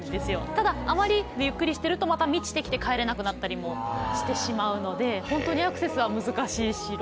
ただあまりゆっくりしてるとまた満ちてきて帰れなくなったりもしてしまうので本当にアクセスは難しい城。